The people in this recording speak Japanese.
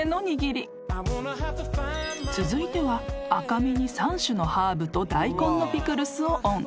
［続いては赤身に３種のハーブとダイコンのピクルスをオン］